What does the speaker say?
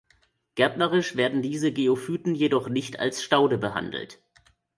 Gärtnerisch werden diese Geophyten jedoch nicht als Staude behandelt.